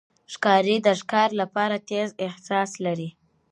ښکاري د ښکار لپاره تیز احساس لري.